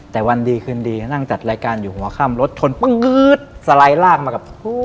แต่วันดีคืนดีก็นั่งจัดรายการอยู่หัวข้ามรถชนปึ้งสไลด์ลากมากับ